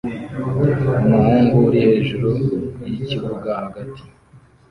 Umuhungu uri hejuru yikibuga hagati